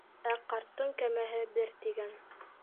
Ә ҡарттың кәмәһе бер тигән.